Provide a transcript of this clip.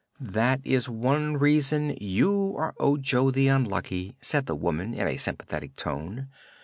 "That is one reason you are Ojo the Unlucky," said the woman, in a sympathetic tone.